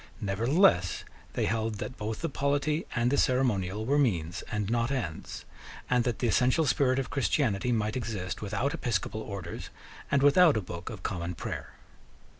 Nevertheless they held that both the polity and the ceremonial were means and not ends, and that the essential spirit of Christianity might exist without episcopal orders and without a Book of Common Prayer.